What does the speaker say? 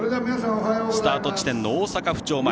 スタート地点の大阪府庁前。